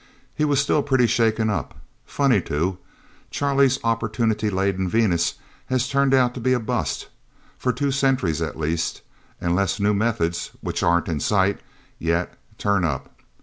He was still pretty shaken up. Funny, too Charlie's opportunity laden Venus has turned out to be a bust, for two centuries, at least, unless new methods, which aren't in sight, yet, turn up.